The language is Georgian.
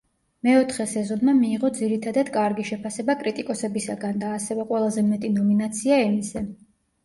მეოთხე სეზონმა მიიღო ძირითადად კარგი შეფასება კრიტიკოსებისაგან და ასევე ყველაზე მეტი ნომინაცია ემიზე.